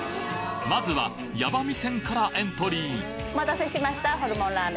まずは矢場味仙からエントリーお待たせしました。